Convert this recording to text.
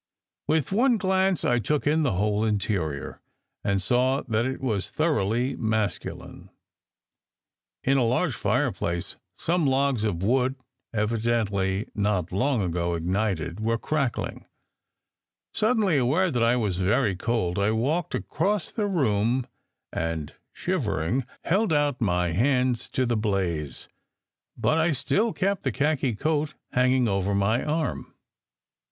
With one glance I took in the whole interior, and saw that it was thoroughly masculine. In a large fire place some logs of wood, evidently not long ago ignited, 304 SECRET HISTORY were crackling. Suddenly aware that I was very cold, I walked across the room and shivering held out my hands to the blaze. But I still kept the khaki coat hanging over my arm.